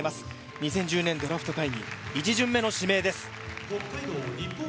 ２０１０年ドラフト会議一巡目の指名です